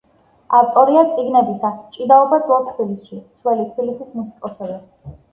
ავტორია წიგნებისა „ჭიდაობა ძველ თბილისში“, „ძველი თბილისის მუსიკოსები“.